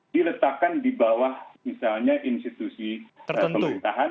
diletakkan di bawah misalnya institusi pemerintahan